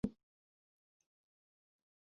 উনাকে ভেতরে আসতে বলব?